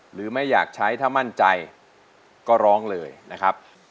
ไม่อยากใช้ถ้ามั่นใจก็ร้องเลยนะครับ